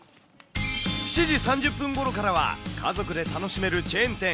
７時３０分ごろからは、家族で楽しめるチェーン店、